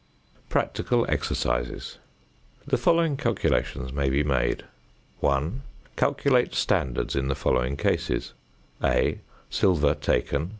PRACTICAL EXERCISES. The following calculations may be made: 1. Calculate standards in the following cases (a) Silver taken, 1.